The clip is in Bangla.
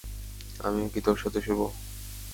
আমিও কি তোর সাথে শুবো?